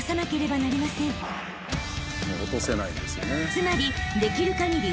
［つまりできる限り